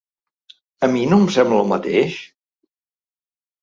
A mi no em sembla el mateix?